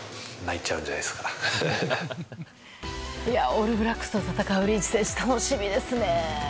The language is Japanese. オールブラックスと戦うリーチ選手楽しみですね。